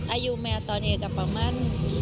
อายุแมร์ตอนเองก็ประมาณ๘๒